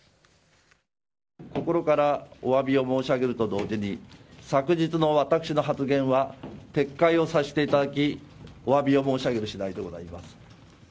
心からおわびを申し上げると同時に、昨日の私の発言は撤回をさせていただき、おわびを申し上げるしだいであります。